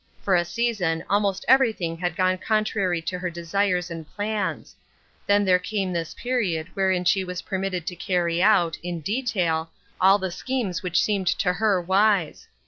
For a season almost everything had gone contrary to her desires and plans. Then there came this period wherein she was permit ted to carry out, in detail, all the schemes which seemed to her wise.